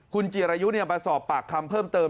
คุณจิรายุมาสอบปากคำเพิ่มเติม